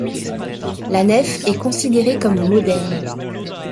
La nef est considérée comme moderne.